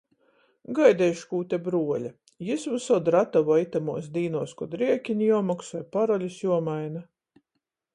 Gaideiškūte bruoļa, jis vysod ratavoj itamuos dīnuos, kod riekini juomoksoj, parolis juomaina.